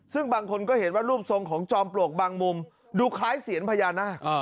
ซึ่งบางคนก็เห็นว่ารูปทรงของจอมปลวกบางมุมดูคล้ายเสียนพญานาค